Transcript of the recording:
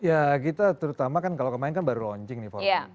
ya kita terutama kan kalau kemaren kan baru launching nih for viva